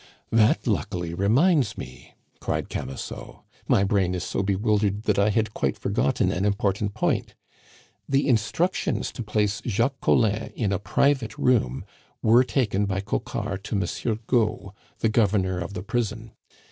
"That luckily reminds me!" cried Camusot. "My brain is so bewildered that I had quite forgotten an important point. The instructions to place Jacques Collin in a private room were taken by Coquart to Monsieur Gault, the Governor of the prison.